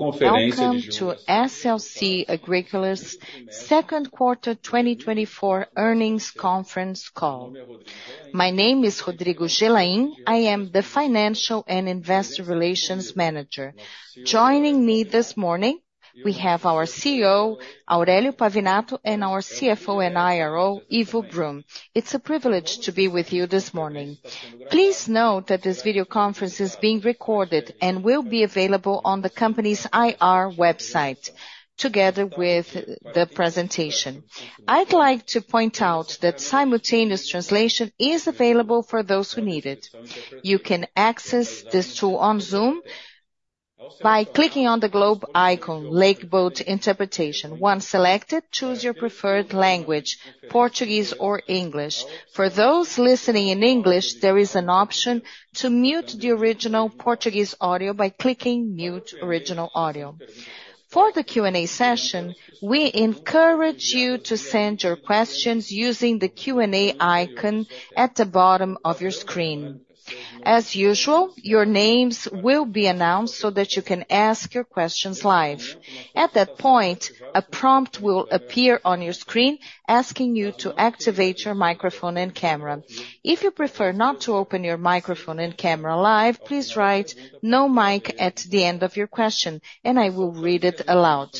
Welcome to SLC Agrícola's Second Quarter 2024 Earnings Conference call. My name is Rodrigo Gelain. I am the Financial and Investor Relations Manager. Joining me this morning, we have our CEO, Aurélio Pavinato, and our CFO and IRO, Ivo Brum. It's a privilege to be with you this morning. Please note that this video conference is being recorded and will be available on the company's IR website, together with the presentation. I'd like to point out that simultaneous translation is available for those who need it. You can access this tool on Zoom by clicking on the globe icon, Language Interpretation. Once selected, choose your preferred language, Portuguese or English. For those listening in English, there is an option to mute the original Portuguese audio by clicking Mute Original Audio. For the Q&A session, we encourage you to send your questions using the Q&A icon at the bottom of your screen. As usual, your names will be announced so that you can ask your questions live. At that point, a prompt will appear on your screen, asking you to activate your microphone and camera. If you prefer not to open your microphone and camera live, please write, "No mic," at the end of your question, and I will read it aloud.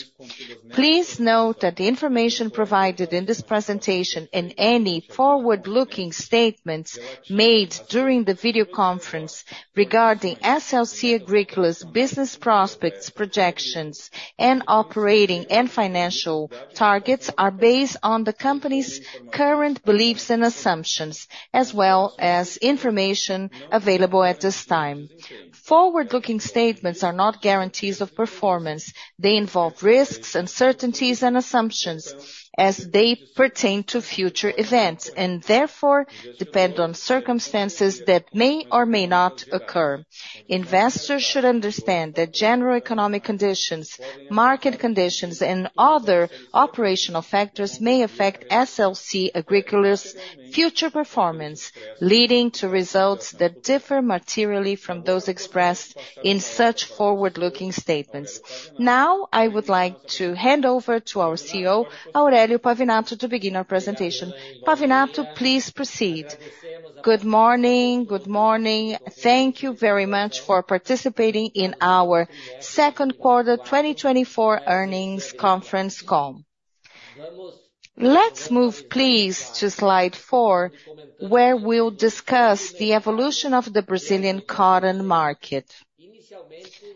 Please note that the information provided in this presentation and any forward-looking statements made during the video conference regarding SLC Agrícola's business prospects, projections, and operating and financial targets are based on the company's current beliefs and assumptions, as well as information available at this time. Forward-looking statements are not guarantees of performance. They involve risks, uncertainties, and assumptions as they pertain to future events, and therefore, depend on circumstances that may or may not occur. Investors should understand that general economic conditions, market conditions, and other operational factors may affect SLC Agrícola's future performance, leading to results that differ materially from those expressed in such forward-looking statements. Now, I would like to hand over to our CEO, Aurélio Pavinato, to begin our presentation. Pavinato, please proceed. Good morning. Good morning. Thank you very much for participating in our second quarter 2024 earnings conference call. Let's move, please, to Slide four, where we'll discuss the evolution of the Brazilian cotton market.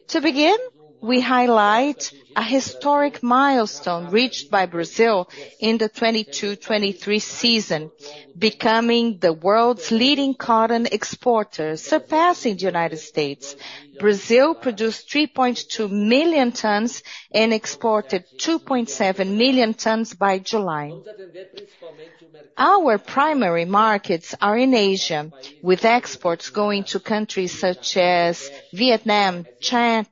To begin, we highlight a historic milestone reached by Brazil in the 2022, 2023 season, becoming the world's leading cotton exporter, surpassing the United States. Brazil produced 3.2 million tons and exported 2.7 million tons by July. Our primary markets are in Asia, with exports going to countries such as Vietnam, China,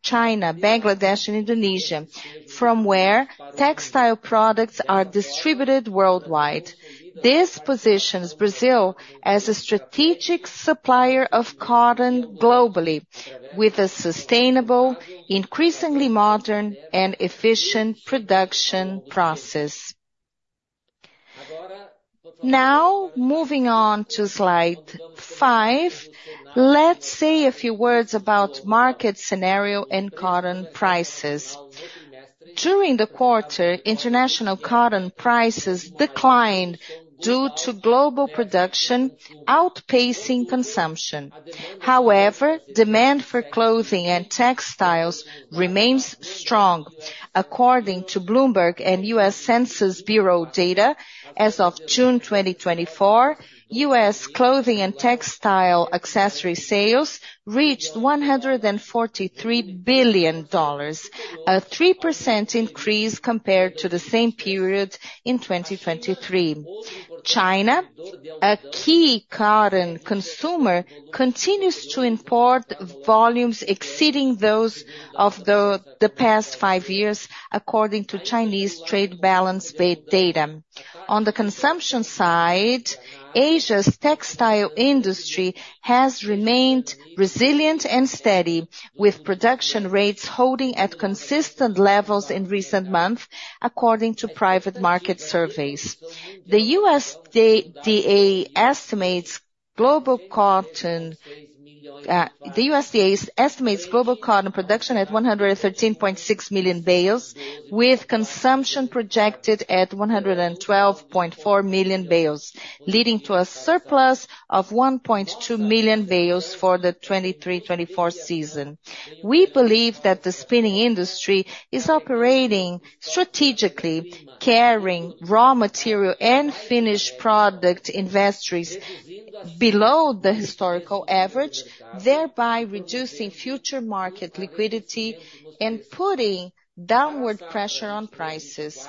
Bangladesh, and Indonesia, from where textile products are distributed worldwide. This positions Brazil as a strategic supplier of cotton globally, with a sustainable, increasingly modern and efficient production process. Now, moving on to Slide five, let's say a few words about market scenario and cotton prices. During the quarter, international cotton prices declined due to global production outpacing consumption. However, demand for clothing and textiles remains strong. According to Bloomberg and U.S. Census Bureau data, as of June 2024, U.S. clothing and textile accessory sales reached $143 billion, a 3% increase compared to the same period in 2023. China, a key cotton consumer, continues to import volumes exceeding those of the, the past five years, according to Chinese trade balance-based data. On the consumption side, Asia's textile industry has remained resilient and steady, with production rates holding at consistent levels in recent months, according to private market surveys. The USDA estimates global cotton production at 113.6 million bales, with consumption projected at 112.4 million bales, leading to a surplus of 1.2 million bales for the 2023, 2024 season. We believe that the spinning industry is operating strategically, carrying raw material and finished product inventories below the historical average, thereby reducing future market liquidity and putting downward pressure on prices.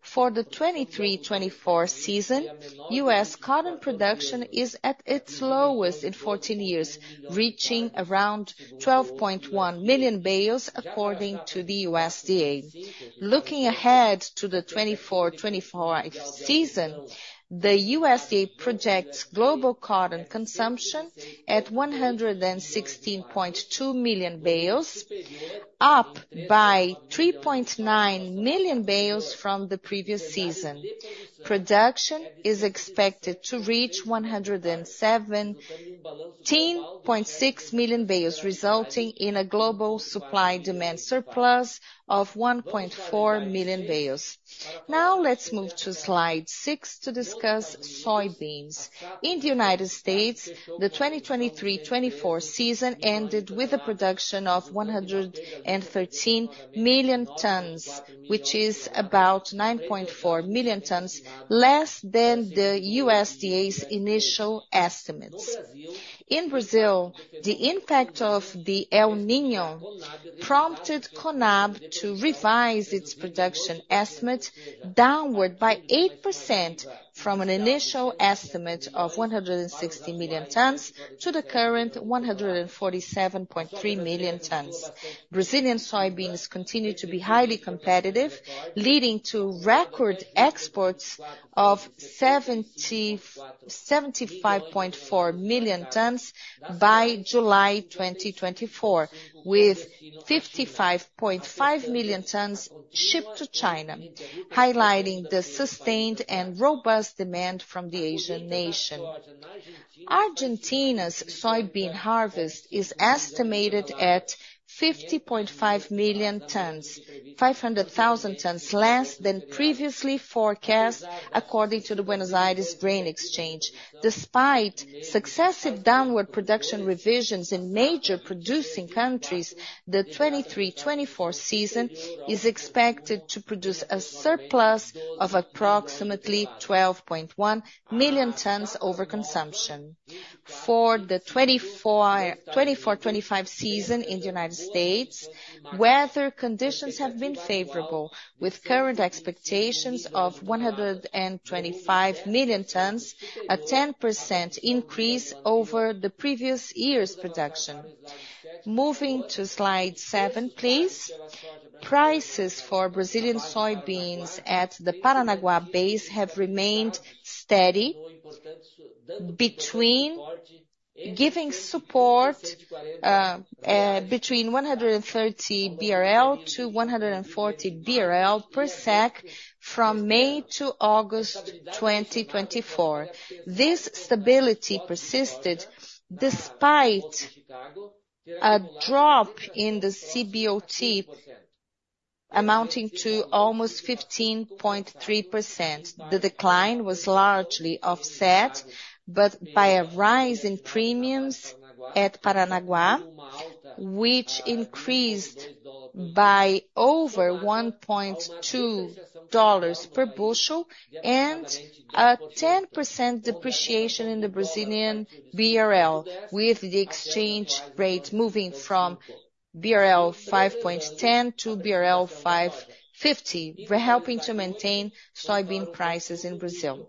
For the 2023-2024 season, U.S. cotton production is at its lowest in 14 years, reaching around 12.1 million bales, according to the USDA. Looking ahead to the 2024-2025 season, the USDA projects global cotton consumption at 116.2 million bales, up by 3.9 million bales from the previous season. Production is expected to reach 117.6 million bales, resulting in a global supply-demand surplus of 1.4 million bales. Now let's move to slide 6 to discuss soybeans. In the United States, the 2023-2024 season ended with a production of 113 million tons, which is about 9.4 million tons less than the USDA's initial estimates. In Brazil, the impact of the El Niño prompted CONAB to revise its production estimate downward by 8% from an initial estimate of 160 million tons to the current 147.3 million tons. Brazilian soybeans continue to be highly competitive, leading to record exports of 75.4 million tons by July 2024, with 55.5 million tons shipped to China, highlighting the sustained and robust demand from the Asian nation. Argentina's soybean harvest is estimated at 50.5 million tons, 500,000 tons less than previously forecast, according to the Buenos Aires Grain Exchange. Despite successive downward production revisions in major producing countries, the 2023-2024 season is expected to produce a surplus of approximately 12.1 million tons over consumption. For the 2024-2025 season in the United States, weather conditions have been favorable, with current expectations of 125 million tons, a 10% increase over the previous year's production. Moving to slide seven, please. Prices for Brazilian soybeans at the Paranaguá base have remained steady between giving support between 130 BRL to 140 BRL per sack from May to August 2024. This stability persisted despite a drop in the CBOT amounting to almost 15.3%. The decline was largely offset, but by a rise in premiums at Paranaguá, which increased by over $1.2 per bushel and a 10% depreciation in the Brazilian BRL, with the exchange rate moving from BRL 5.10 to BRL 5.50. We're helping to maintain soybean prices in Brazil.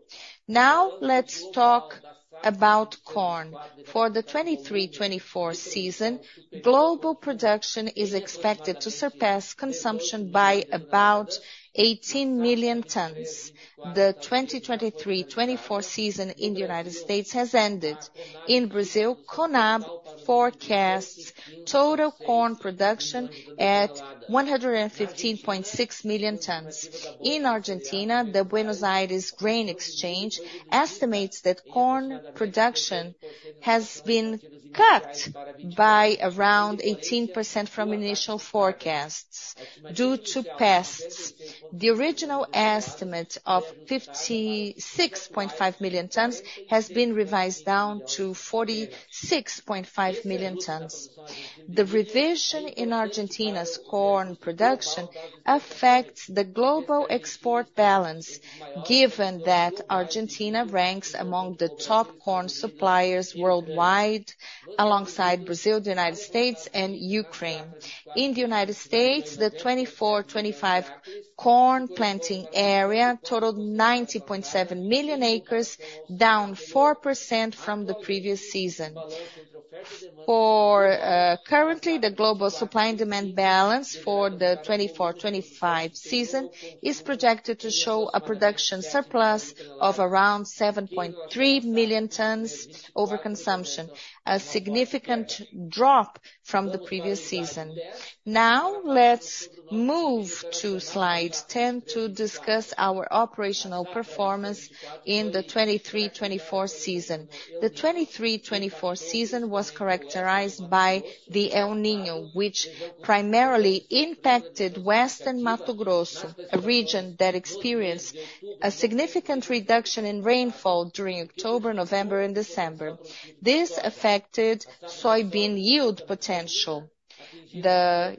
Now, let's talk about corn. For the 2023-2024 season, global production is expected to surpass consumption by about 18 million tons. The 2023-2024 season in the United States has ended. In Brazil, CONAB forecasts total corn production at 115.6 million tons. In Argentina, the Buenos Aires Grain Exchange estimates that corn production has been cut by around 18% from initial forecasts due to pests. The original estimate of 56.5 million tons has been revised down to 46.5 million tons. The revision in Argentina's corn production affects the global export balance, given that Argentina ranks among the top corn suppliers worldwide, alongside Brazil, the United States, and Ukraine. In the United States, the 2024-2025 corn planting area totaled 90.7 million acres, down 4% from the previous season. For currently, the global supply and demand balance for the 2024-2025 season is projected to show a production surplus of around 7.3 million tons over consumption, a significant drop from the previous season. Now, let's move to slide 10 to discuss our operational performance in the 2023-2024 season. The 2023-2024 season was characterized by the El Niño, which primarily impacted Western Mato Grosso, a region that experienced a significant reduction in rainfall during October, November, and December. This affected soybean yield potential. The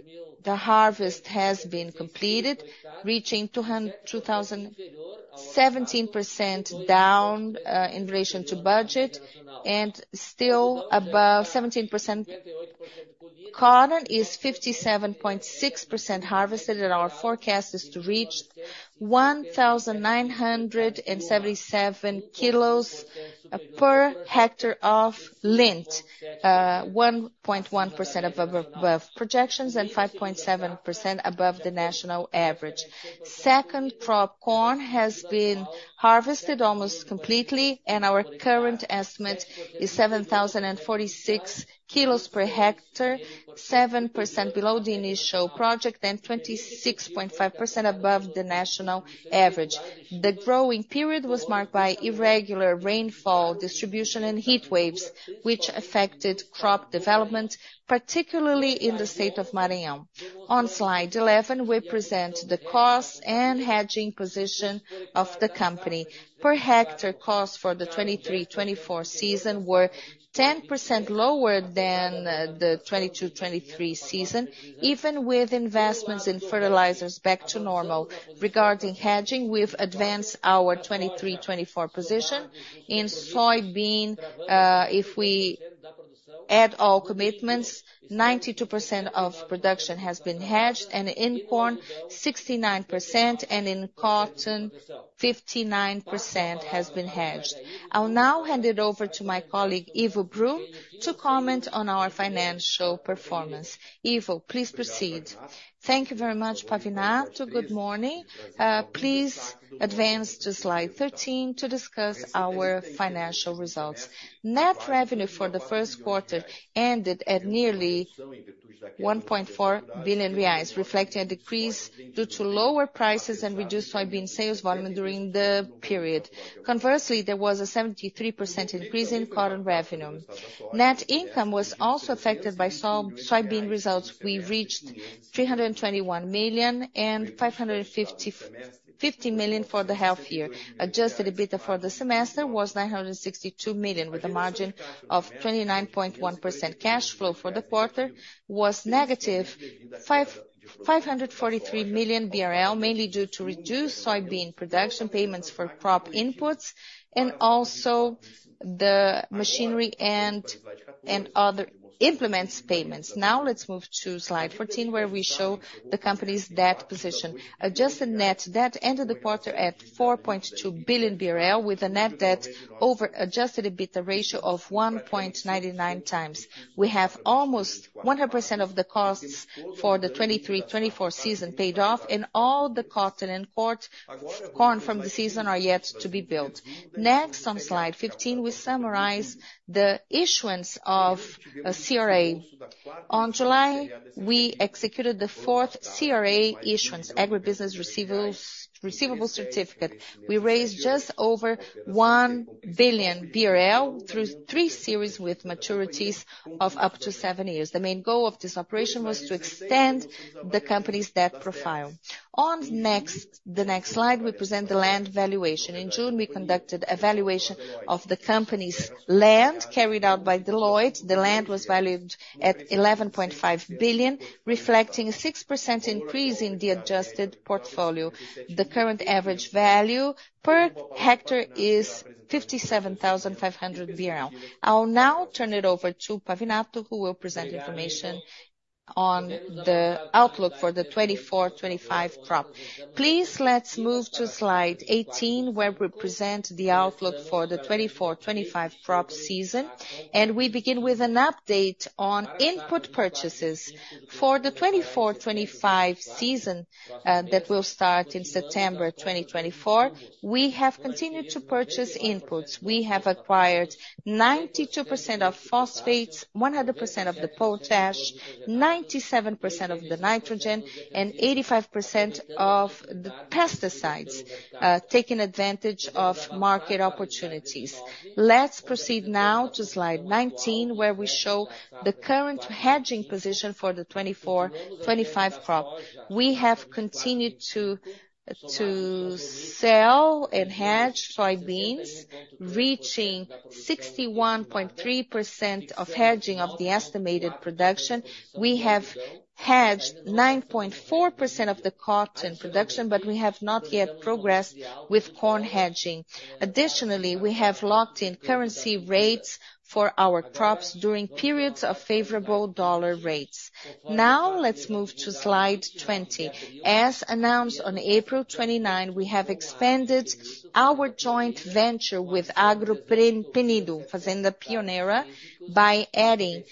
harvest has been completed, reaching 17% down in relation to budget, and still above 17%. Corn is 57.6% harvested, and our forecast is to reach 1,977 kilos per hectare of lint, 1.1% above projections and 5.7% above the national average. Second crop corn has been harvested almost completely, and our current estimate is 7,046 kilos per hectare, 7% below the initial projection and 26.5% above the national average. The growing period was marked by irregular rainfall distribution and heat waves, which affected crop development, particularly in the state of Maranhão. On Slide 11, we present the cost and hedging position of the company. Per hectare costs for the 2023-2024 season were 10% lower than the 2022-2023 season, even with investments in fertilizers back to normal. Regarding hedging, we've advanced our 2023-2024 position. In soybean, if we-... Add all commitments, 92% of production has been hedged, and in corn, 69%, and in cotton, 59% has been hedged. I'll now hand it over to my colleague, Ivo Brum, to comment on our financial performance. Ivo, please proceed. Thank you very much, Pavinato. Good morning. Please advance to slide 13 to discuss our financial results. Net revenue for the first quarter ended at nearly 1.4 billion reais, reflecting a decrease due to lower prices and reduced soybean sales volume during the period. Conversely, there was a 73% increase in cotton revenue. Net income was also affected by soybean results. We reached 321 million and 550 million for the half year. Adjusted EBITDA for the semester was 962 million, with a margin of 29.1% cash flow for the quarter was negative 543 million BRL, mainly due to reduced soybean production, payments for crop inputs, and also the machinery and other implements payments. Now, let's move to slide 14, where we show the company's debt position. Adjusted net debt ended the quarter at 4.2 billion BRL, with a net debt over adjusted EBITDA ratio of 1.99 times. We have almost 100% of the costs for the 2023-2024 season paid off, and all the cotton and corn from the season are yet to be built. Next, on slide 15, we summarize the issuance of a CRA. On July, we executed the fourth CRA issuance, agribusiness receivables certificate. We raised just over 1 billion BRL through 3 series with maturities of up to 7 years. The main goal of this operation was to extend the company's debt profile. On the next slide, we present the land valuation. In June, we conducted a valuation of the company's land, carried out by Deloitte. The land was valued at 11.5 billion, reflecting a 6% increase in the adjusted portfolio. The current average value per hectare is 57,500 BRL. I'll now turn it over to Pavinato, who will present information on the outlook for the 2024-2025 crop. Please, let's move to slide 18, where we present the outlook for the 2024-2025 crop season. We begin with an update on input purchases. For the 2024-2025 season, that will start in September 2024, we have continued to purchase inputs. We have acquired 92% of phosphates, 100% of the potash, 97% of the nitrogen, and 85% of the pesticides, taking advantage of market opportunities. Let's proceed now to slide 19, where we show the current hedging position for the 2024-25 crop. We have continued to sell and hedge soybeans, reaching 61.3% of hedging of the estimated production. We have hedged 9.4% of the cotton production, but we have not yet progressed with corn hedging. Additionally, we have locked in currency rates for our crops during periods of favorable dollar rates. Now, let's move to Slide 20. As announced on April 29, we have expanded our joint venture with Agropecuária Fazenda Pioneira, by adding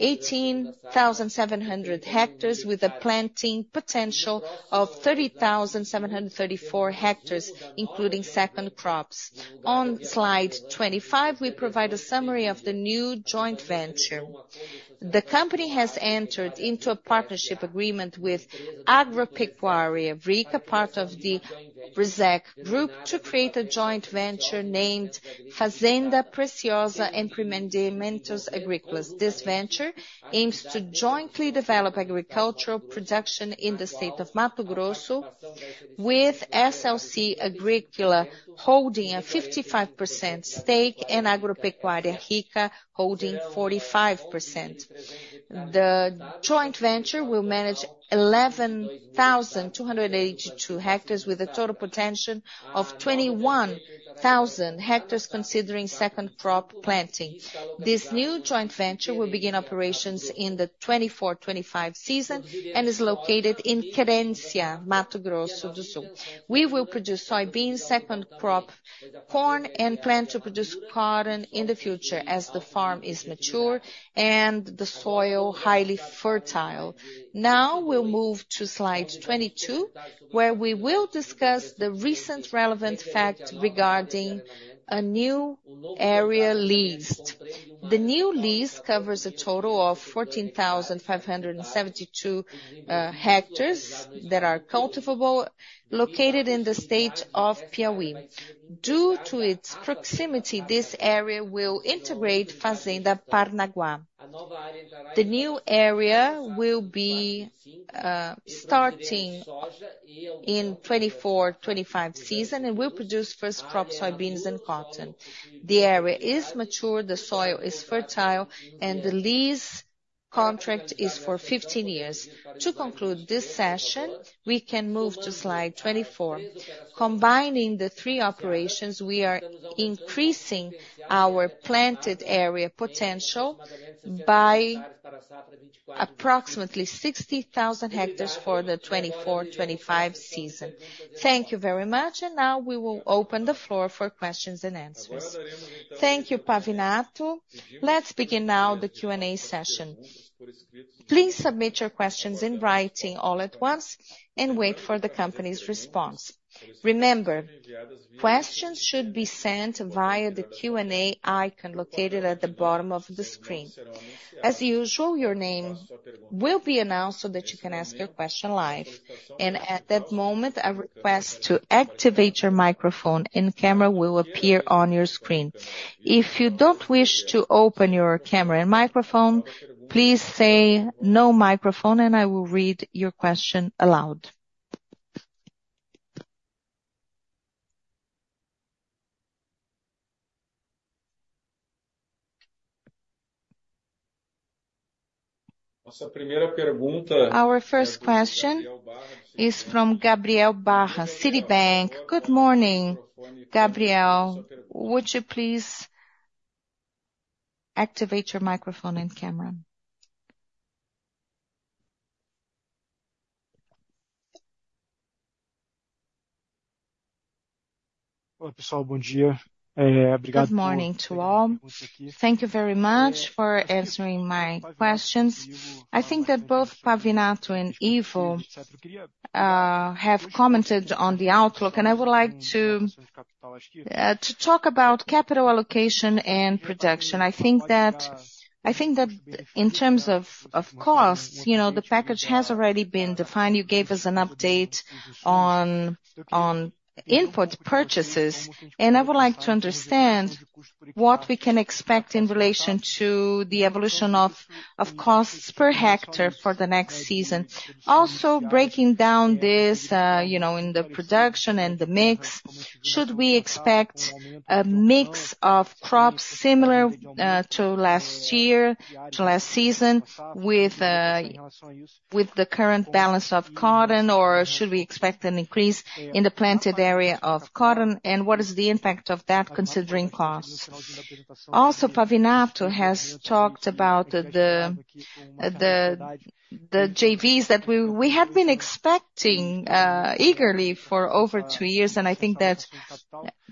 18,700 hectares with a planting potential of 30,734 hectares, including second crops. On Slide 25, we provide a summary of the new joint venture. The company has entered into a partnership agreement with Agropecuária Rica, part of the Brasac Group, to create a joint venture named Fazenda Preciosa Empreendimentos Agrícolas. This venture aims to jointly develop agricultural production in the state of Mato Grosso, with SLC Agrícola holding a 55% stake and Agropecuária Rica holding 45%. The joint venture will manage 11,282 hectares with a total potential of 21,000 hectares considering second crop planting. This new joint venture will begin operations in the 2024-2025 season and is located in Querência, Mato Grosso. We will produce soybeans, second crop, corn, and plan to produce cotton in the future as the farm is mature and the soil highly fertile. Now, we'll move to slide 22, where we will discuss the recent relevant fact regarding a new area leased. The new lease covers a total of 14,572 hectares that are cultivable, located in the state of Piauí. Due to its proximity, this area will integrate Fazenda Parnaguá. The new area will be starting in 2024/25 season and will produce first crop soybeans and cotton. The area is mature, the soil is fertile, and the lease contract is for 15 years. To conclude this session, we can move to slide 24. Combining the three operations, we are increasing our planted area potential by approximately 60,000 hectares for the 2024/25 season. Thank you very much, and now we will open the floor for questions and answers. Thank you, Pavinato. Let's begin now the Q&A session. Please submit your questions in writing all at once, and wait for the company's response. Remember, questions should be sent via the Q&A icon located at the bottom of the screen. As usual, your name will be announced so that you can ask your question live, and at that moment, a request to activate your microphone and camera will appear on your screen. If you don't wish to open your camera and microphone, please say, "No microphone," and I will read your question aloud. Our first question is from Gabriel Barra, Citibank. Good morning, Gabriel. Would you please activate your microphone and camera? Good morning to all. Thank you very much for answering my questions. I think that both Pavinato and Ivo have commented on the outlook, and I would like to talk about capital allocation and production. I think that in terms of costs, you know, the package has already been defined. You gave us an update on input purchases, and I would like to understand what we can expect in relation to the evolution of costs per hectare for the next season. Also, breaking down this, you know, in the production and the mix, should we expect a mix of crops similar to last year, to last season, with the current balance of cotton, or should we expect an increase in the planted area of cotton? And what is the impact of that, considering costs? Also, Pavinato has talked about the JVs that we have been expecting eagerly for over two years, and I think that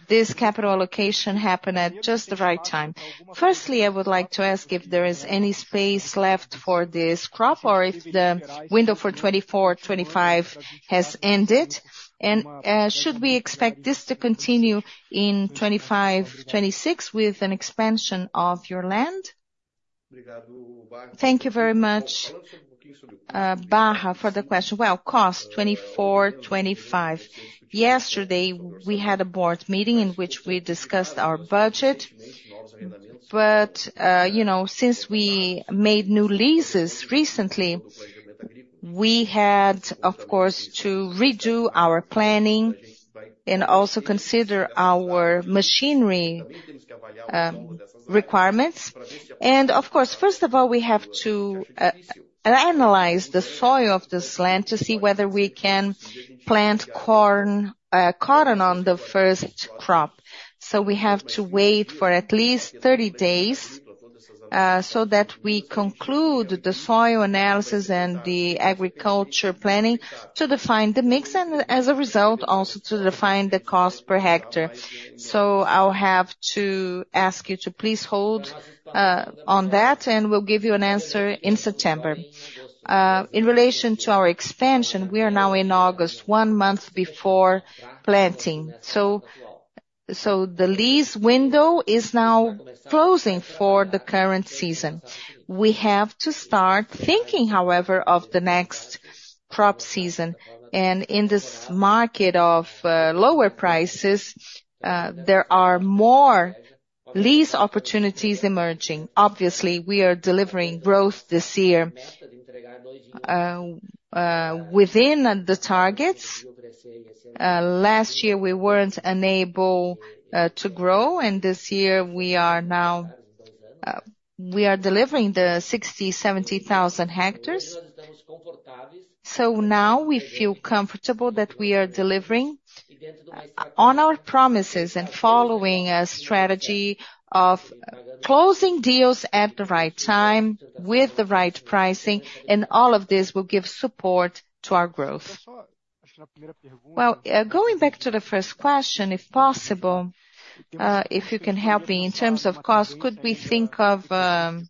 this capital allocation happened at just the right time. Firstly, I would like to ask if there is any space left for this crop or if the window for 2024, 2025 has ended, and, should we expect this to continue in 2025, 2026 with an expansion of your land? Thank you very much, Barra, for the question. Well, cost, 2024, 2025. Yesterday, we had a board meeting in which we discussed our budget. But, you know, since we made new leases recently, we had, of course, to redo our planning and also consider our machinery, requirements. And of course, first of all, we have to, analyze the soil of this land to see whether we can plant corn, cotton on the first crop. So we have to wait for at least 30 days, so that we conclude the soil analysis and the agriculture planning to define the mix, and as a result, also to define the cost per hectare. So I'll have to ask you to please hold, on that, and we'll give you an answer in September. In relation to our expansion, we are now in August, one month before planting. So the lease window is now closing for the current season. We have to start thinking, however, of the next crop season, and in this market of, lower prices, there are more lease opportunities emerging. Obviously, we are delivering growth this year, within the targets. Last year, we weren't enabled, to grow, and this year we are now, we are delivering the 60,000-70,000 hectares. So now we feel comfortable that we are delivering on our promises and following a strategy of closing deals at the right time with the right pricing, and all of this will give support to our growth. Well, going back to the first question, if possible, if you can help me in terms of cost, could we think of a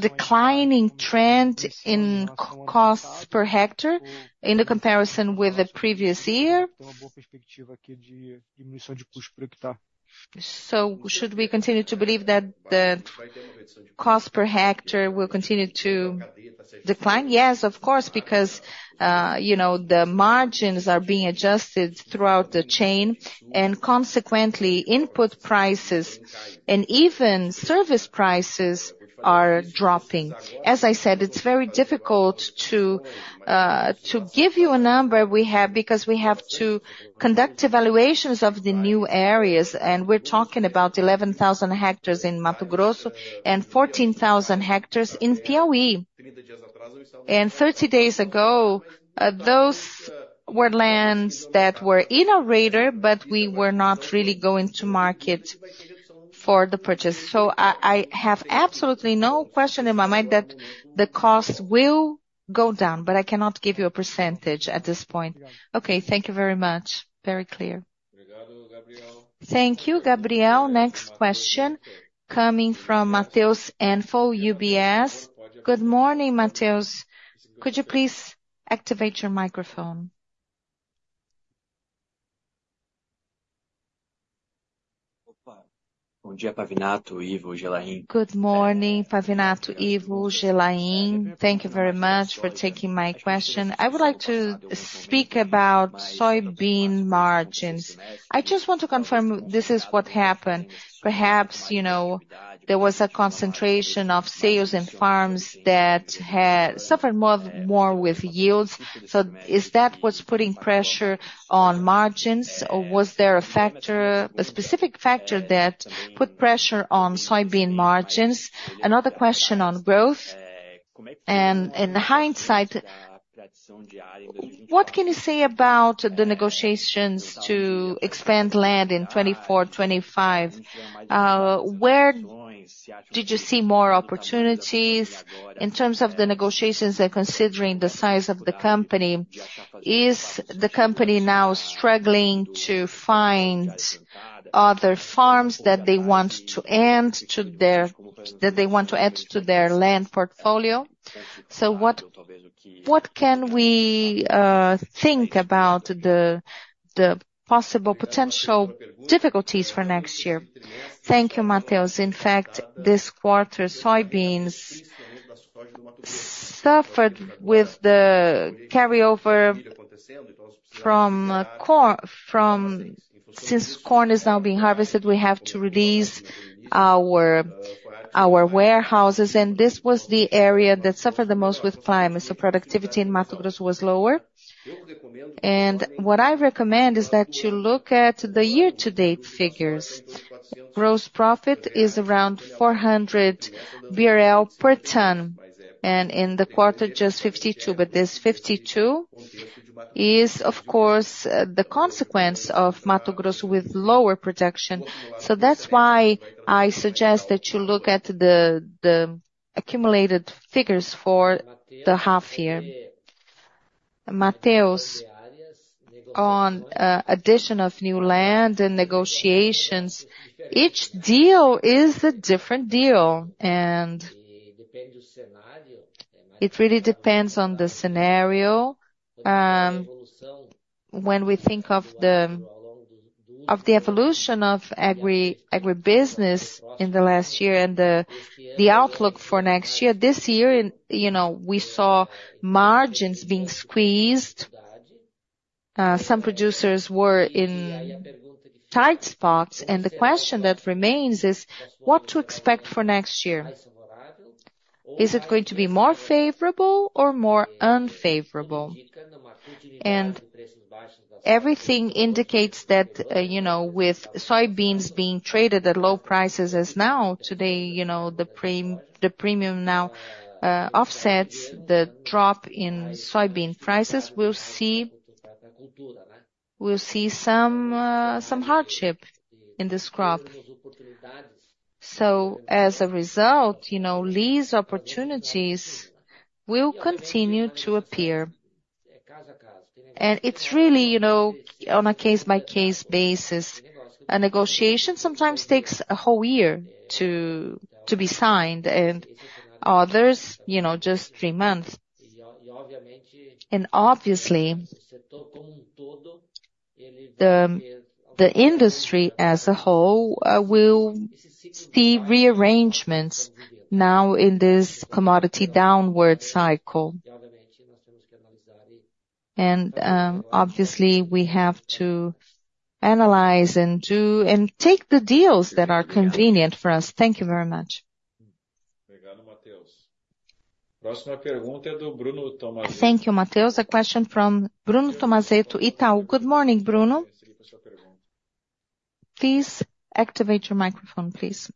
declining trend in costs per hectare in the comparison with the previous year? So should we continue to believe that the cost per hectare will continue to decline? Yes, of course, because, you know, the margins are being adjusted throughout the chain, and consequently, input prices and even service prices are dropping. As I said, it's very difficult to give you a number we have, because we have to conduct evaluations of the new areas, and we're talking about 11,000 hectares in Mato Grosso and 14,000 hectares in Piauí. And 30 days ago, those were lands that were in our radar, but we were not really going to market for the purchase. So I have absolutely no question in my mind that the cost will go down, but I cannot give you a percentage at this point. Okay, thank you very much. Very clear. Thank you, Gabriel. Next question coming from Matheus Enfeldt, UBS. Good morning, Matheus. Could you please activate your microphone? Good morning, Pavinato, Ivo, Gelain. Thank you very much for taking my question. I would like to speak about soybean margins. I just want to confirm this is what happened. Perhaps, you know, there was a concentration of sales in farms that had suffered more with yields. So is that what's putting pressure on margins, or was there a factor, a specific factor that put pressure on soybean margins? Another question on growth, and in hindsight, what can you say about the negotiations to expand land in 2024, 2025? Where did you see more opportunities in terms of the negotiations and considering the size of the company, is the company now struggling to find other farms that they want to add to their land portfolio? So what can we think about the possible potential difficulties for next year? Thank you, Matheus. In fact, this quarter, soybeans suffered with the carryover from corn, from—since corn is now being harvested, we have to release our warehouses, and this was the area that suffered the most with climate. So productivity in Mato Grosso was lower. And what I recommend is that you look at the year-to-date figures. Gross profit is around 400 BRL per ton, and in the quarter, just 52. But this 52 is, of course, the consequence of Mato Grosso with lower production. So that's why I suggest that you look at the accumulated figures for the half year. Matheus, on addition of new land and negotiations, each deal is a different deal, and it really depends on the scenario. When we think of the evolution of agribusiness in the last year and the outlook for next year, this year, and you know, we saw margins being squeezed. Some producers were in tight spots, and the question that remains is: What to expect for next year? Is it going to be more favorable or more unfavorable? And everything indicates that, you know, with soybeans being traded at low prices as now, today, you know, the premium now offsets the drop in soybean prices, we'll see, we'll see some hardship in this crop. So as a result, you know, these opportunities will continue to appear. And it's really, you know, on a case-by-case basis. A negotiation sometimes takes a whole year to be signed, and others, you know, just three months. Obviously, the industry as a whole will see rearrangements now in this commodity downward cycle. Obviously, we have to analyze and take the deals that are convenient for us. Thank you very much. Thank you, Matheus. A question from Bruno Tomazetto, Itaú. Good morning, Bruno. Please activate your microphone, please.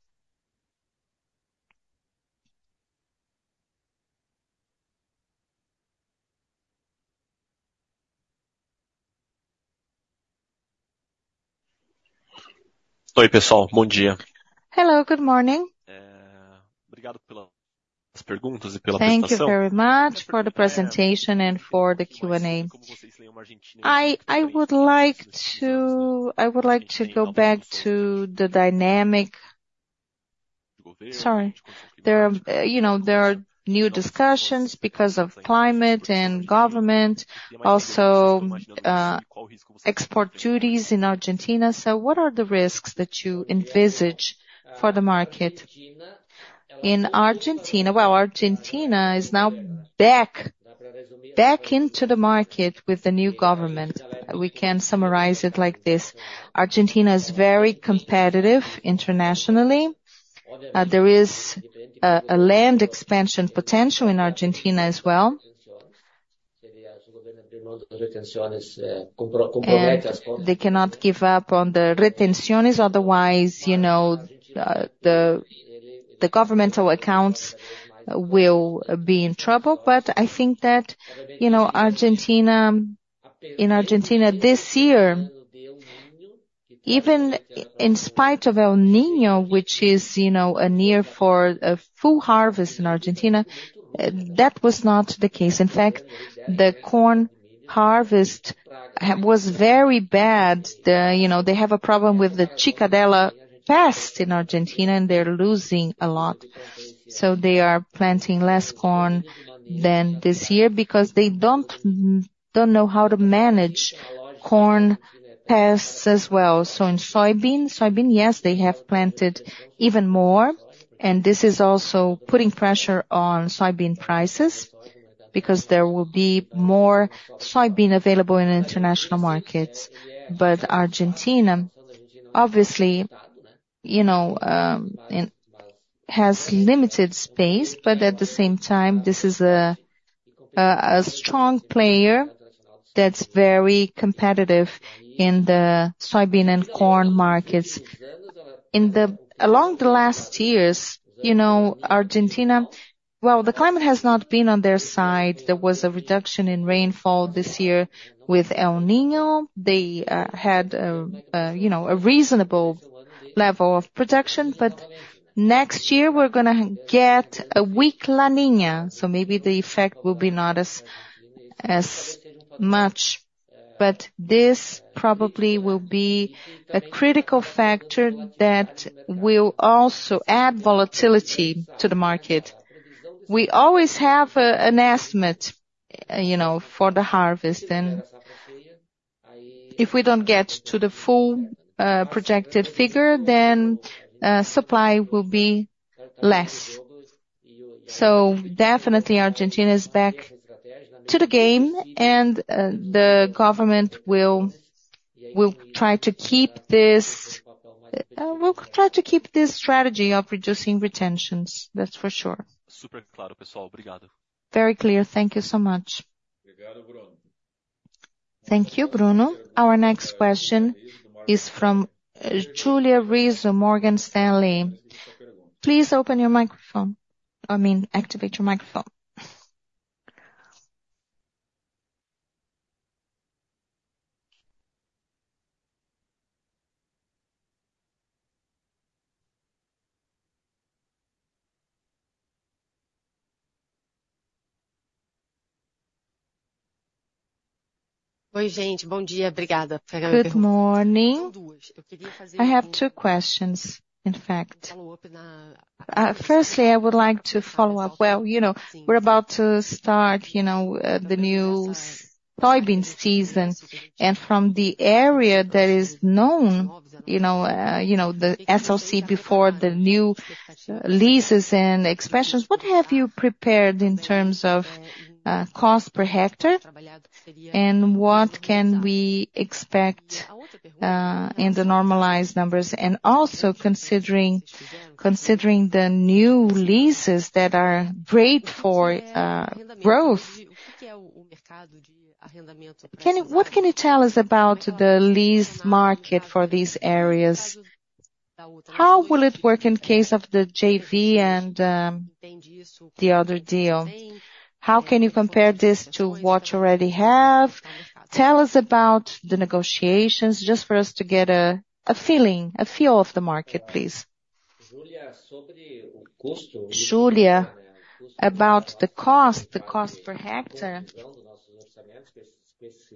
Hello, good morning. Thank you very much for the presentation and for the Q&A. I would like to go back to the dynamic... Sorry. There are, you know, new discussions because of climate and government, also, export duties in Argentina. So what are the risks that you envisage for the market? In Argentina, well, Argentina is now back into the market with the new government. We can summarize it like this: Argentina is very competitive internationally. There is a land expansion potential in Argentina as well. And they cannot give up on the retenciones, otherwise, you know, the governmental accounts will be in trouble. But I think that, you know, Argentina, in Argentina this year, even in spite of El Niño, which is, you know, a year for a full harvest in Argentina, that was not the case. In fact, the corn harvest was very bad. You know, they have a problem with the chicharrita pest in Argentina, and they're losing a lot. So they are planting less corn than this year because they don't know how to manage corn pests as well. So in soybean, soybean, yes, they have planted even more, and this is also putting pressure on soybean prices, because there will be more soybean available in international markets. But Argentina, obviously, you know, has limited space, but at the same time, this is a strong player that's very competitive in the soybean and corn markets. Along the last years, you know, Argentina. Well, the climate has not been on their side. There was a reduction in rainfall this year with El Niño. They had, you know, a reasonable level of protection, but next year we're gonna get a weak La Niña, so maybe the effect will be not as much. But this probably will be a critical factor that will also add volatility to the market. We always have an estimate, you know, for the harvest, and if we don't get to the full projected figure, then supply will be less. So definitely Argentina is back to the game, and, the government will try to keep this strategy of reducing retentions, that's for sure. Very clear. Thank you so much. Thank you, Bruno. Our next question is from, Júlia Rizzo, Morgan Stanley. Please open your microphone, I mean, activate your microphone. Good morning. I have two questions, in fact. Firstly, I would like to follow up... Well, you know, we're about to start, you know, the new soybean season, and from the area that is known, you know, the SLC before the new leases and expressions, what have you prepared in terms of, cost per hectare? And what can we expect, in the normalized numbers? And also considering the new leases that are great for growth, can you, what can you tell us about the lease market for these areas? How will it work in case of the JV and the other deal? How can you compare this to what you already have? Tell us about the negotiations, just for us to get a feeling, a feel of the market, please. Júlia, about the cost, the cost per hectare,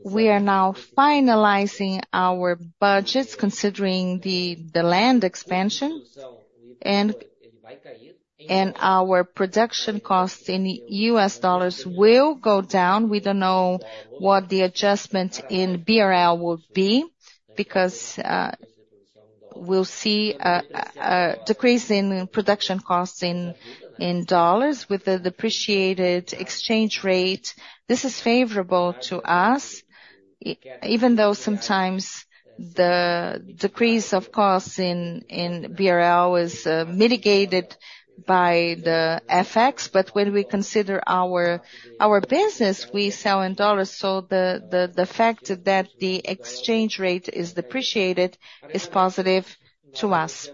we are now finalizing our budgets considering the land expansion, and our production cost in U.S. dollars will go down. We don't know what the adjustment in BRL will be, because we'll see a decrease in production costs in dollars with the depreciated exchange rate. This is favorable to us, even though sometimes the decrease of costs in BRL is mitigated by the FX. But when we consider our business, we sell in dollars, so the fact that the exchange rate is depreciated is positive to us.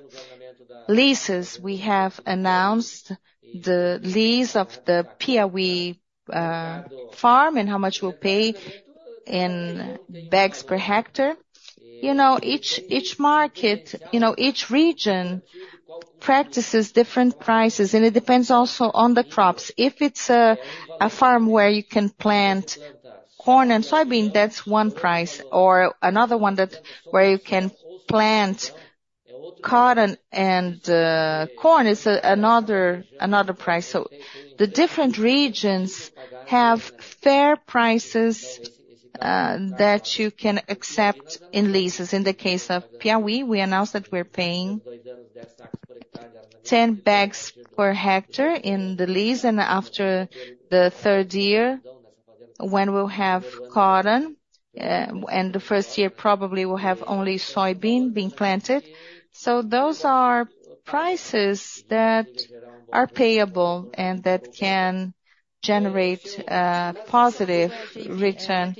Leases, we have announced the lease of the Piauí farm, and how much we'll pay in bags per hectare. You know, each market, you know, each region practices different prices, and it depends also on the crops. If it's a farm where you can plant corn and soybean, that's one price, or another one that, where you can plant cotton and corn, is another price. So the different regions have fair prices that you can accept in leases. In the case of Piauí, we announced that we're paying 10 bags per hectare in the lease, and after the third year, when we'll have cotton, and the first year probably will have only soybean being planted. So those are prices that are payable and that can generate positive return.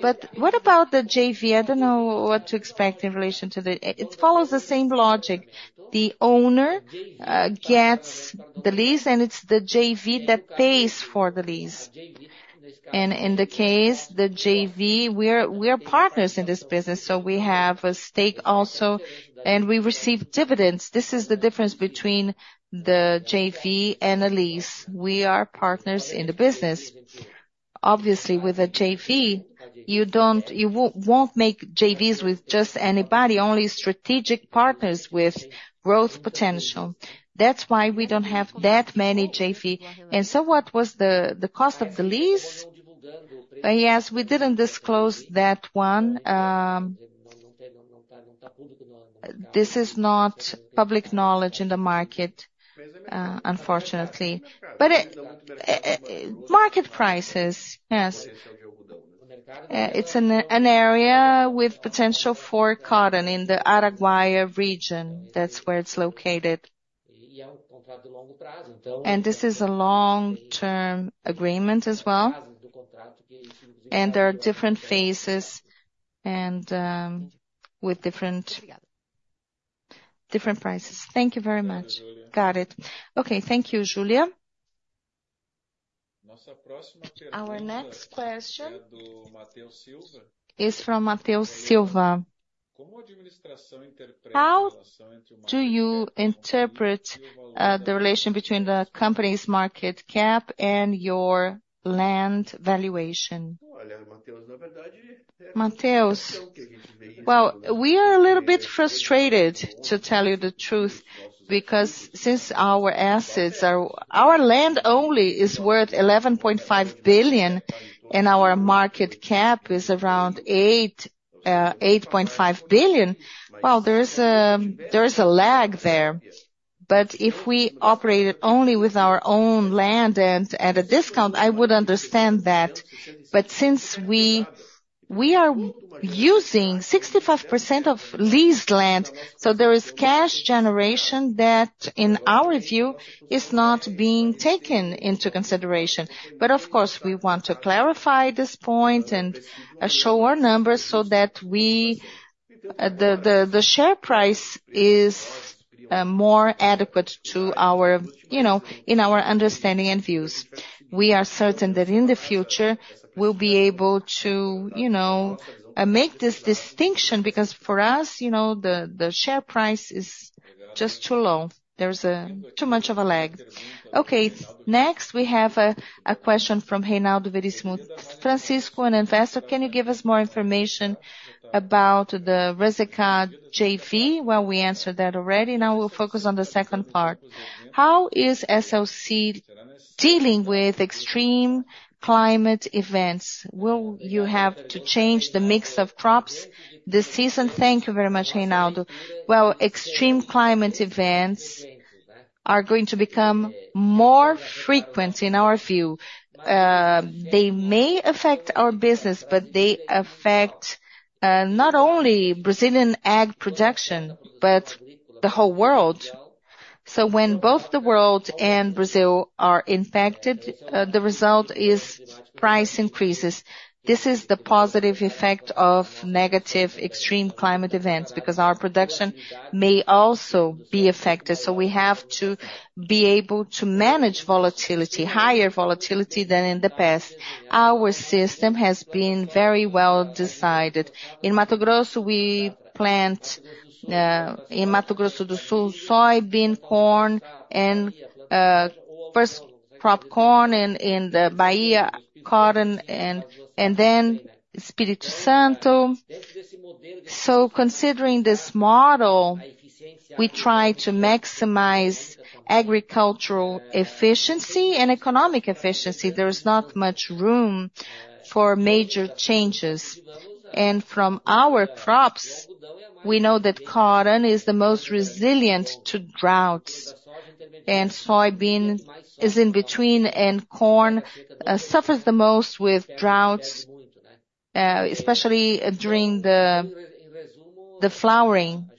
But what about the JV? I don't know what to expect in relation to the JV. It follows the same logic. The owner gets the lease, and it's the JV that pays for the lease. And in the case of the JV, we are partners in this business, so we have a stake also, and we receive dividends. This is the difference between the JV and a lease. We are partners in the business. Obviously, with a JV, you won't make JVs with just anybody, only strategic partners with growth potential. That's why we don't have that many JV. And so what was the cost of the lease? Yes, we didn't disclose that one. This is not public knowledge in the market, unfortunately. But it market prices, yes. It's an area with potential for cotton in the Araguaia region. That's where it's located. And this is a long-term agreement as well, and there are different phases and with different prices. Thank you very much. Got it. Okay, thank you, Júlia. Our next question is from Mateus Silva. How do you interpret the relation between the company's market cap and your land valuation? Mateus, well, we are a little bit frustrated, to tell you the truth, because since our assets are—Our land only is worth 11.5 billion, and our market cap is around eight, eight point five billion. Well, there is a lag there. But if we operated only with our own land and at a discount, I would understand that. But since we are using 65% of leased land, so there is cash generation that, in our view, is not being taken into consideration. But of course, we want to clarify this point and show our numbers so that the share price is more adequate to our, you know, in our understanding and views. We are certain that in the future, we'll be able to, you know, make this distinction, because for us, you know, the share price is just too low. There's too much of a lag. Okay, next, we have a question from Reinaldo Francisco, an investor, can you give us more information about the Reseca JV?Well, we answered that already. Now we'll focus on the second part. How is SLC dealing with extreme climate events? Will you have to change the mix of crops this season? Thank you very much, Reinaldo. Well, extreme climate events are going to become more frequent, in our view. They may affect our business, but they affect, not only Brazilian ag production, but the whole world. So when both the world and Brazil are impacted, the result is price increases. This is the positive effect of negative extreme climate events, because our production may also be affected. So we have to be able to manage volatility, higher volatility than in the past. Our system has been very well decided. In Mato Grosso, we plant, in Mato Grosso do Sul, soybean, corn, and, first crop corn in the Bahia, corn, and then Espírito Santo. So considering this model, we try to maximize agricultural efficiency and economic efficiency. There is not much room for major changes. And from our crops, we know that corn is the most resilient to droughts, and soybean is in between, and corn suffers the most with droughts, especially during the flowering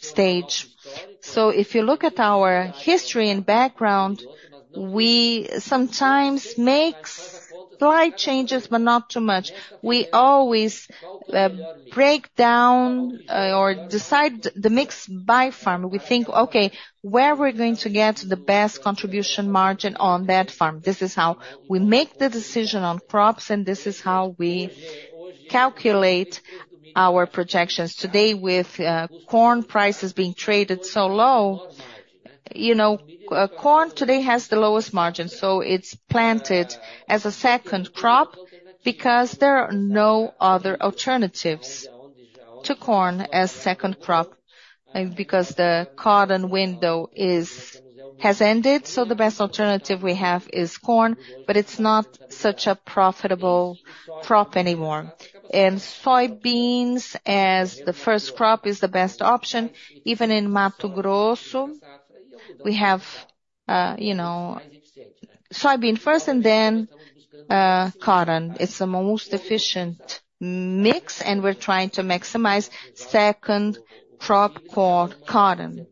stage. So if you look at our history and background, we sometimes makes slight changes, but not too much. We always break down or decide the mix by farm. We think, okay, where we're going to get the best contribution margin on that farm? This is how we make the decision on crops, and this is how we calculate our projections. Today, with corn prices being traded so low, you know, corn today has the lowest margin, so it's planted as a second crop because there are no other alternatives to corn as second crop, because the corn window has ended, so the best alternative we have is corn, but it's not such a profitable crop anymore. And soybeans, as the first crop, is the best option, even in Mato Grosso... We have, you know, soybean first and then cotton. It's the most efficient mix, and we're trying to maximize second crop for cotton,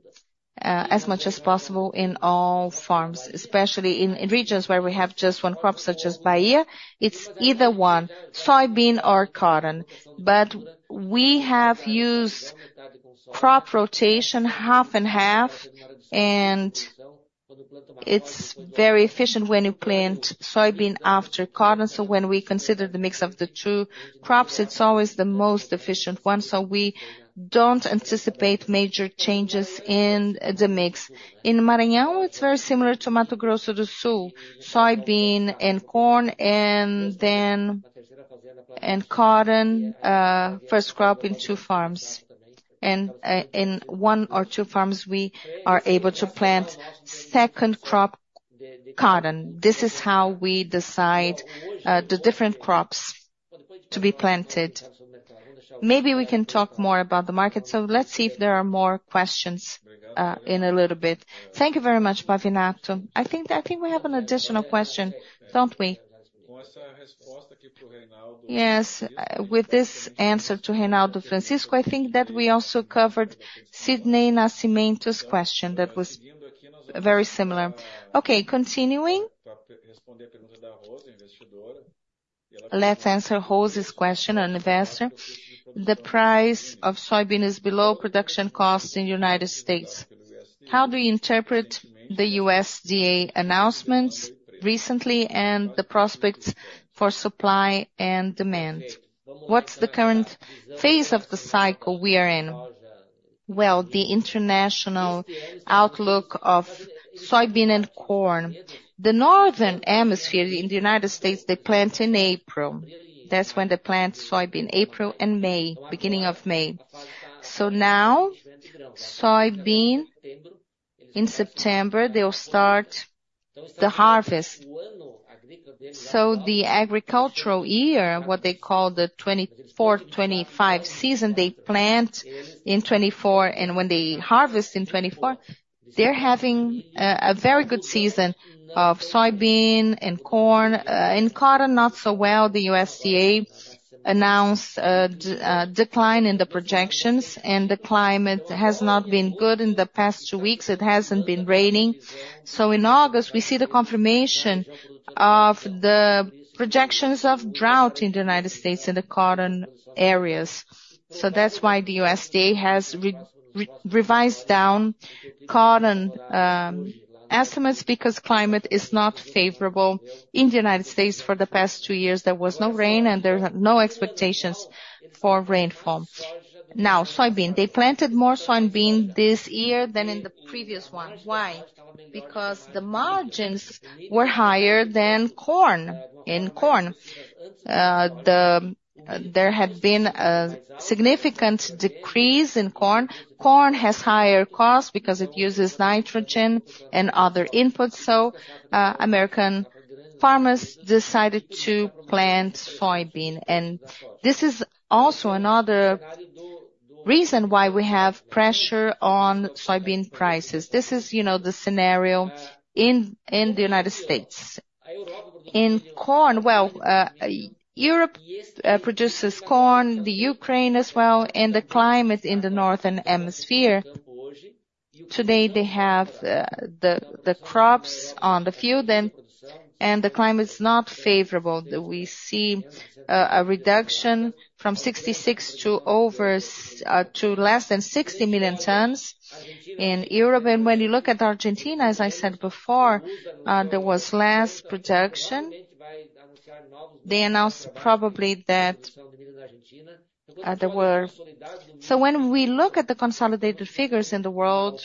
as much as possible in all farms, especially in regions where we have just one crop, such as Bahia. It's either one, soybean or cotton. But we have used crop rotation half and half, and it's very efficient when you plant soybean after cotton. So when we consider the mix of the two crops, it's always the most efficient one, so we don't anticipate major changes in the mix. In Maranhão, it's very similar to Mato Grosso do Sul, soybean and corn, and then, and cotton, first crop in two farms. In one or two farms, we are able to plant second crop, cotton. This is how we decide, the different crops to be planted. Maybe we can talk more about the market, so let's see if there are more questions, in a little bit. Thank you very much, Pavinato. I think we have an additional question, don't we? Yes, with this answer to Reinaldo Francisco, I think that we also covered Sidney Nascimento's question. That was very similar. Okay, continuing. Let's answer Rose's question, an investor. The price of soybean is below production cost in United States. How do you interpret the USDA announcements recently and the prospects for supply and demand? What's the current phase of the cycle we are in? Well, the international outlook of soybean and corn, the Northern Hemisphere in the United States, they plant in April. That's when they plant soybean, April and May, beginning of May. So now, soybean, in September, they'll start the harvest. So the agricultural year, what they call the 2024, 2025 season, they plant in 2024, and when they harvest in 2024, they're having a very good season of soybean and corn, and cotton, not so well. The USDA announced a decline in the projections, and the climate has not been good in the past two weeks. It hasn't been raining. So in August, we see the confirmation of the projections of drought in the United States, in the cotton areas. So that's why the USDA has revised down cotton estimates, because climate is not favorable in the United States. For the past two years, there was no rain, and there are no expectations for rainfall. Now, soybean, they planted more soybean this year than in the previous one. Why? Because the margins were higher than corn. In corn, there had been a significant decrease in corn. Corn has higher cost because it uses nitrogen and other inputs, so American farmers decided to plant soybean. And this is also another reason why we have pressure on soybean prices. This is, you know, the scenario in the United States. In corn, well, Europe produces corn, the Ukraine as well, and the climate in the Northern Hemisphere, today, they have the crops on the field, and the climate is not favorable, that we see a reduction from 66 to less than 60 million tons in Europe. And when you look at Argentina, as I said before, there was less production. They announced probably that there were... So when we look at the consolidated figures in the world,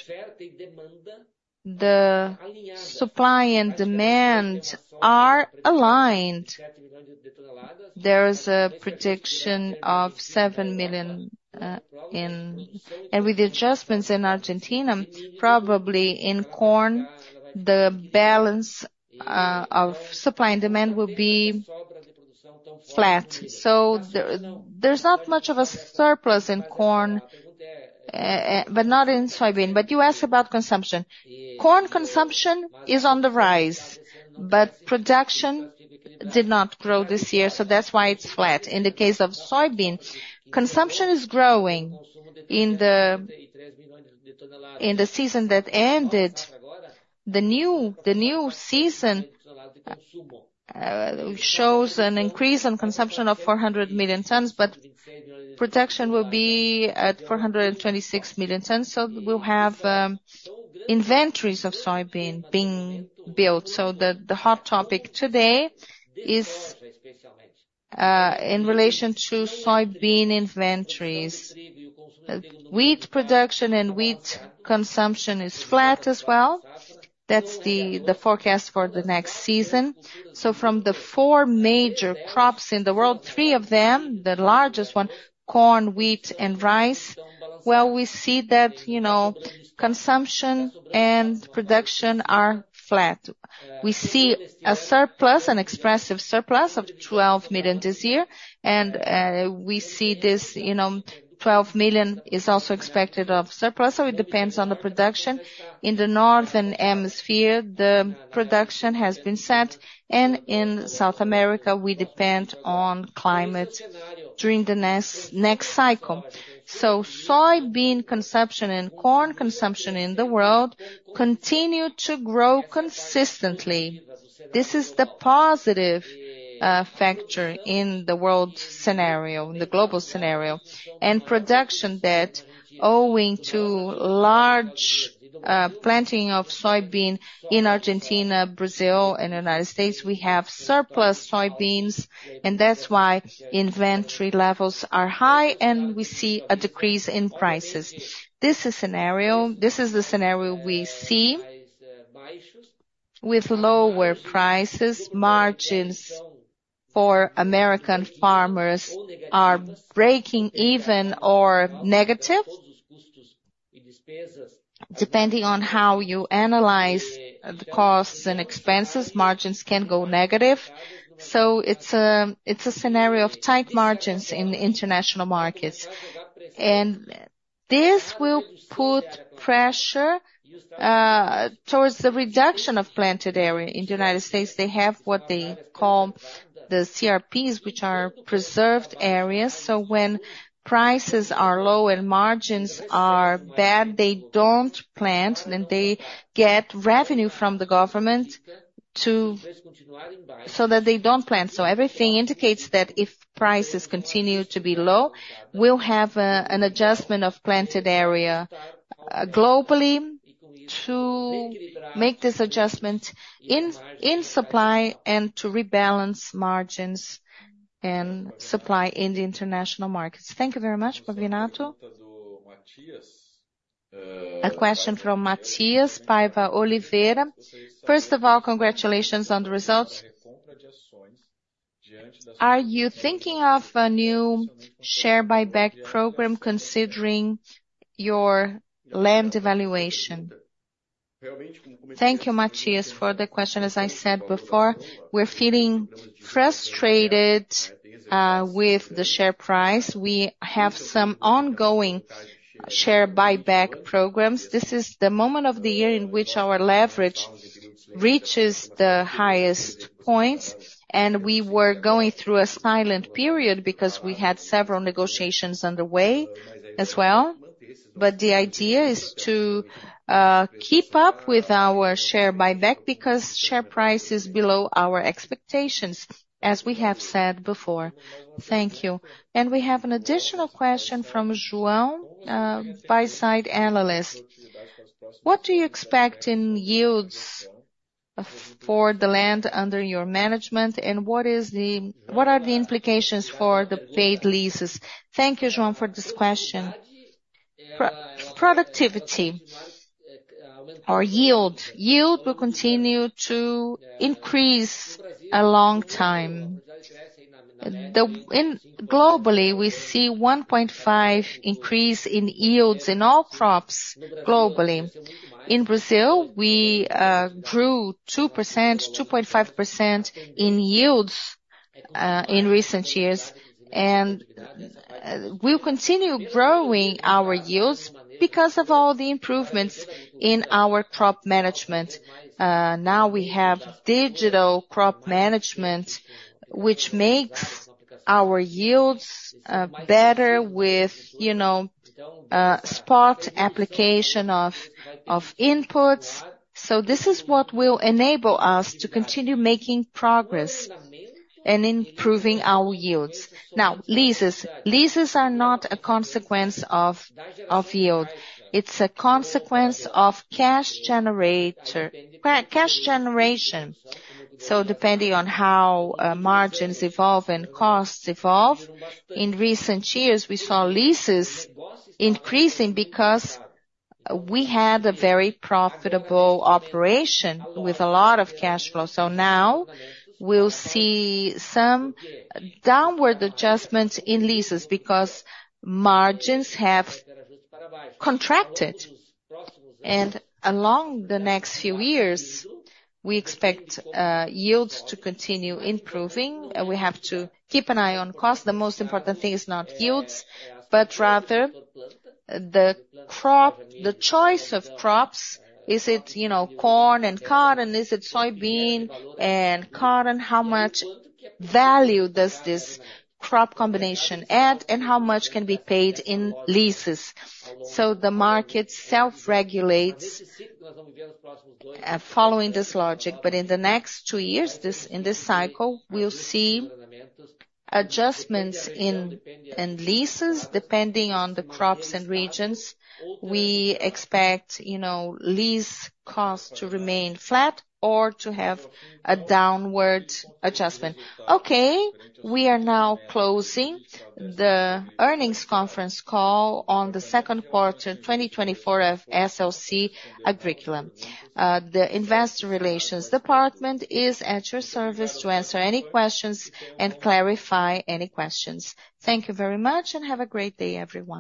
the supply and demand are aligned. There is a prediction of 7 million, and with the adjustments in Argentina, probably in corn, the balance of supply and demand will be flat. So there, there's not much of a surplus in corn, but not in soybean. But you asked about consumption. Corn consumption is on the rise, but production did not grow this year, so that's why it's flat. In the case of soybean, consumption is growing in the season that ended. The new season shows an increase in consumption of 400 million tons, but production will be at 426 million tons, so we'll have inventories of soybean being built. So the hot topic today is in relation to soybean inventories. Wheat production and wheat consumption is flat as well. That's the forecast for the next season. So from the four major crops in the world, three of them, the largest one, corn, wheat and rice. Well, we see that, you know, consumption and production are flat. We see a surplus, an expressive surplus of 12 million this year, and we see this, you know, 12 million is also expected of surplus, so it depends on the production. In the Northern Hemisphere, the production has been set, and in South America, we depend on climate during the next, next cycle. So soybean consumption and corn consumption in the world continue to grow consistently. This is the positive factor in the world scenario, in the global scenario. And production debt, owing to large planting of soybean in Argentina, Brazil, and the United States, we have surplus soybeans, and that's why inventory levels are high and we see a decrease in prices. This is scenario, this is the scenario we see. With lower prices, margins for American farmers are breaking even or negative. Depending on how you analyze the costs and expenses, margins can go negative. So it's a scenario of tight margins in the international markets. And this will put pressure towards the reduction of planted area. In the United States, they have what they call the CRPs, which are preserved areas. So when prices are low and margins are bad, they don't plant, and they get revenue from the government so that they don't plant. So everything indicates that if prices continue to be low, we'll have an adjustment of planted area globally, to make this adjustment in supply and to rebalance margins and supply in the international markets. Thank you very much, Aurélio Pavinato. A question from Matias Paiva Oliveira. First of all, congratulations on the results. Are you thinking of a new share buyback program, considering your land valuation? Thank you, Matias, for the question. As I said before, we're feeling frustrated with the share price. We have some ongoing share buyback programs. This is the moment of the year in which our leverage reaches the highest points, and we were going through a silent period because we had several negotiations underway as well. But the idea is to keep up with our share buyback, because share price is below our expectations, as we have said before. Thank you. And we have an additional question from Joel, buy-side analyst. What do you expect in yields for the land under your management, and what are the implications for the paid leases? Thank you, Joel, for this question. Productivity or yield will continue to increase a long time. Globally, we see 1.5 increase in yields in all crops globally. In Brazil, we grew 2%, 2.5% in yields in recent years, and we'll continue growing our yields because of all the improvements in our crop management. Now we have digital crop management, which makes our yields better with, you know, spot application of inputs. So this is what will enable us to continue making progress and improving our yields. Now, leases. Leases are not a consequence of yield. It's a consequence of cash generation. So depending on how margins evolve and costs evolve, in recent years, we saw leases increasing because we had a very profitable operation with a lot of cash flow. So now we'll see some downward adjustments in leases because margins have contracted. Along the next few years, we expect yields to continue improving, and we have to keep an eye on cost. The most important thing is not yields, but rather the crop, the choice of crops. Is it, you know, corn and cotton? Is it soybean and cotton? How much value does this crop combination add, and how much can be paid in leases? So the market self-regulates following this logic, but in the next two years, this, in this cycle, we'll see adjustments in leases, depending on the crops and regions. We expect, you know, lease costs to remain flat or to have a downward adjustment. Okay, we are now closing the earnings conference call on the second quarter, 2024 of SLC Agrícola. The investor relations department is at your service to answer any questions and clarify any questions. Thank you very much and have a great day, everyone.